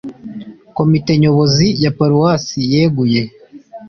Komite Nyobozi ya Paruwasi yeguye